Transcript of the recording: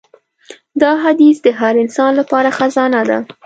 دا حدیث د هر انسان لپاره خزانه ده.